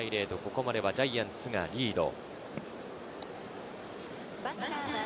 ここまでジャイアンツがリード。